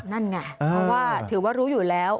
นั่นไงเพราะว่าถือว่ารู้อยู่แล้ว